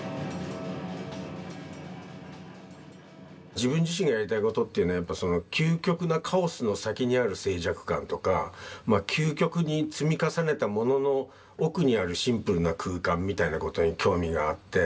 自分自身がやりたいことっていうのはやっぱそのまあ究極に積み重ねたものの奥にあるシンプルな空間みたいなことに興味があって。